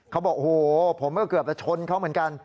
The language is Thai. เขาบอกโอ้โหผมก็เกือบจะชนเขาเหมือนกัน